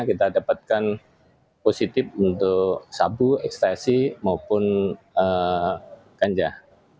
kita dapatkan positif untuk sabu ekstasi maupun ganjah